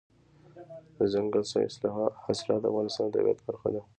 دځنګل حاصلات د افغانستان د طبیعت برخه ده.